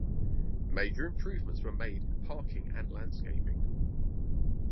Major improvements were made in parking and landscaping.